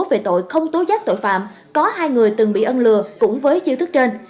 về tội không tố giác tội phạm có hai người từng bị ân lừa cũng với chiêu thức trên